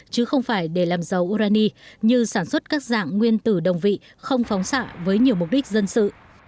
chứ không phải để làm dầu urani như sản xuất các dạng nguyên tử đồng vị không phóng xạ với nhiều mục đích dân sự